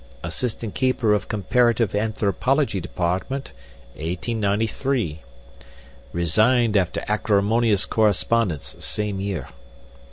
Assistant Keeper of Comparative Anthropology Department, 1893. Resigned after acrimonious correspondence same year.